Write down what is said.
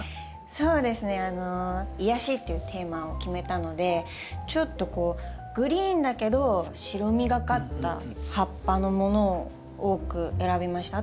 そうですね「癒やし」っていうテーマを決めたのでちょっとこうグリーンだけど白みがかった葉っぱのものを多く選びました。